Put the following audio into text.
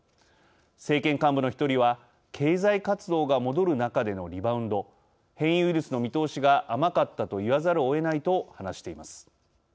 政権幹部の１人は経済活動が戻る中でのリバウンド変異ウイルスの見通しが甘かったと言わざるをえないと話しています。